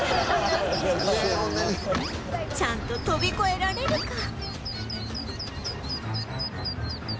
ちゃんと飛び越えられるか？